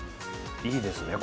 いいですね